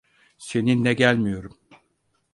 Seninle gelmiyorum.